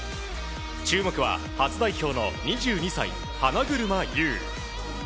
注目は初代表の２２歳、花車優。